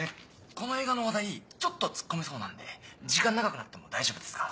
この映画の話題ちょっと突っ込めそうなので時間長くなっても大丈夫ですか？